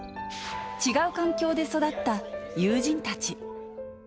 違う環境で育った友人たち。